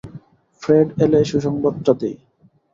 Fred এলে সুসংবাদটা দেই।